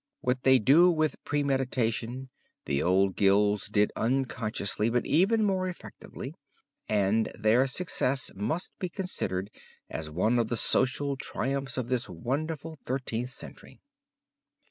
What they do with premeditation, the old guilds did unconsciously but even more effectively, and their success must be considered as one of the social triumphs of this wonderful Thirteenth Century.